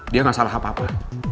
dia nggak salah apa apa